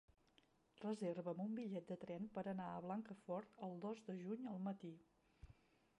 Reserva'm un bitllet de tren per anar a Blancafort el dos de juny al matí.